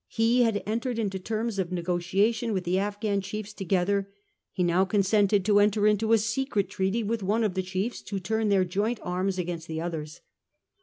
He had entered into terms of negotiation with the Afghan chiefs together ; he now consented to enter into a secret treaty with one of the chiefs to turn their joint arms against the others.